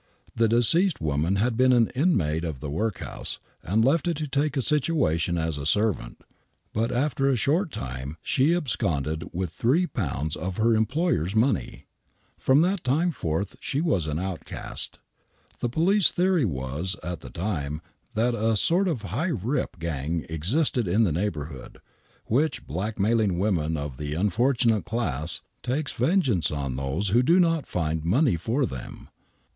The deceased woman had been an inmate of the workhouse and left it to take a situation as a servant, but after a short time she absconded with £3 of her employer's money. Prom that time forth she was an outcast. The police theory was at that time that a sort of " high rip " gang existed in the neighborhood, which, blackmailing women of the " unfortunate " class, takes vengeance on those who do not fird money for them.